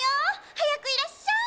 はやくいらっしゃい！